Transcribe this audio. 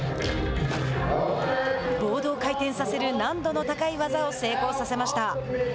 ボードを回転させる難度の高い技を成功させました。